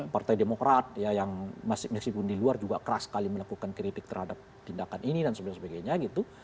partai demokrat ya yang meskipun di luar juga keras sekali melakukan kritik terhadap tindakan ini dan sebagainya gitu